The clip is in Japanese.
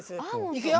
いくよ！